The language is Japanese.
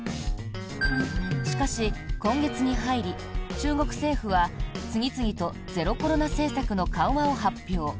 しかし、今月に入り中国政府は次々とゼロコロナ政策の緩和を発表。